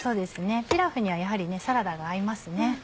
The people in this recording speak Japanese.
ピラフにはやはりサラダが合いますね。